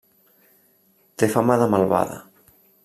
Té fama de malvada.